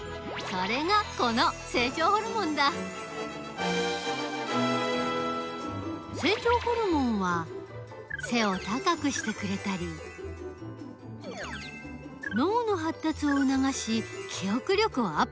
それがこの成長ホルモンだ成長ホルモンは背を高くしてくれたり脳のはったつをうながし記憶力をアップさせたりする。